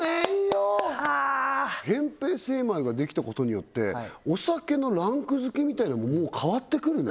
はぁ扁平精米ができたことによってお酒のランク付けみたいのももう変わってくるね